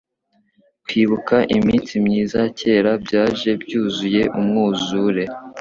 Kwibuka iminsi myiza ya kera byaje byuzuye umwuzure